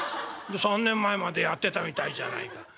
３年前までやってたみたいじゃないか。